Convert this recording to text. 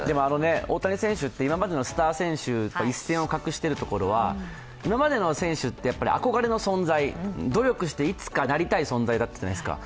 大谷選手って今までのスター選手と一線を画しているところは今までの選手ってあこがれの存在、努力していつかなりたい存在だったじゃないですか。